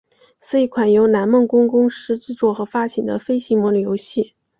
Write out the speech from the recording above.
是一款由南梦宫公司制作和发行的飞行模拟游戏。